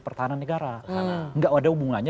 pertahanan negara gak ada hubungannya